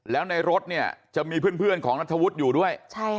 แล้วในรถเนี่ยจะมีเพื่อนของนัทธวุฒิอยู่ด้วย